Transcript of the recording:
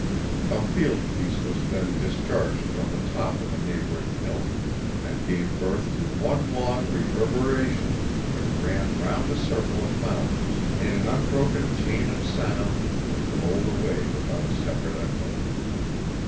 A field piece was then discharged from the top of a neighboring hill, and gave birth to one long reverberation, which ran round the circle of mountains in an unbroken chain of sound and rolled away without a separate echo.